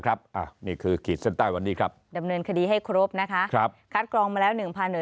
ครับอ่ะนี่คือขีดเส้นใต้วันนี้ครับดำเนินคดีให้ครบนะคะครับคัดกรองมาแล้ว